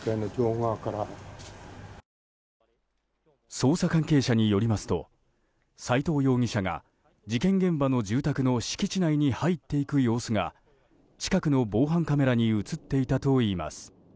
捜査関係者によりますと斎藤容疑者が事件現場の住宅の敷地内に入っていく様子が近くの防犯カメラに映っていたといいます。